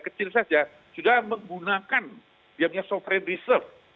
kecil saja sudah menggunakan biar dia sofrane reserve